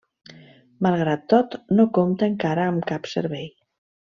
Malgrat tot no compta encara amb cap servei.